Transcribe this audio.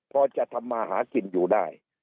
พอจะทำมาหากินอยู่ได้